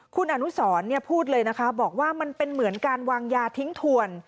คุณอนุสรพูดเลยนะคะบอกว่ามันเป็นเหมือนการวางยาทิ้งถวน